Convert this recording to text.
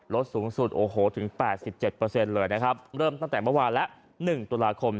ลดสูงสุดโอ้โหถึงแปดสิบเจ็ดเปอร์เซ็นต์เลยนะครับเริ่มตั้งแต่เมื่อวานและหนึ่งตุลาคม